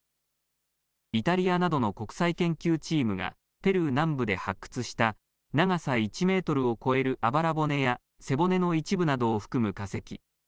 イタリアなどの国際研究チームがペルー南部で発掘した長さ１メートルを超えるあばら骨や背骨の一部などを含む化石。